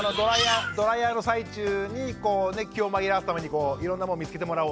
ドライヤーの最中に気を紛らわすためにいろんなもの見つけてもらおう！